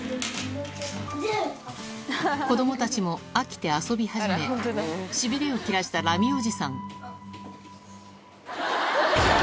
子どもたちも飽きて遊び始め、しびれを切らしたラミおじさん。